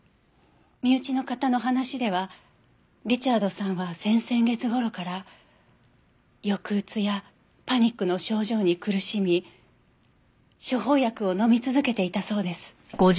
身内の方の話ではリチャードさんは先々月頃から抑うつやパニックの症状に苦しみ処方薬を飲み続けていたそうです。